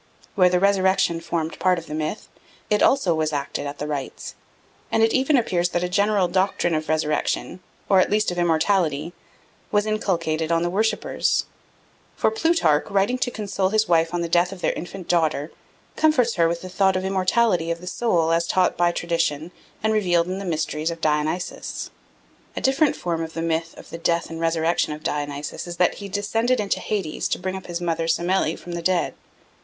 Where the resurrection formed part of the myth, it also was acted at the rites, and it even appears that a general doctrine of resurrection, or at least of immortality, was inculcated on the worshippers; for Plutarch, writing to console his wife on the death of their infant daughter, comforts her with the thought of the immortality of the soul as taught by tradition and revealed in the mysteries of Dionysus. A different form of the myth of the death and resurrection of Dionysus is that he descended into Hades to bring up his mother Semele from the dead.